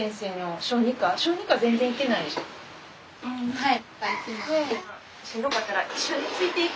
はい。